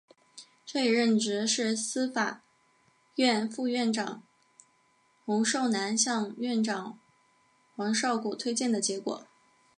这一任职是司法院副院长洪寿南向院长黄少谷推荐的结果。